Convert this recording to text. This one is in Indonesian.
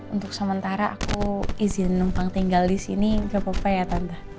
untuk sementara aku izin numpang tinggal di sini gapapa ya tante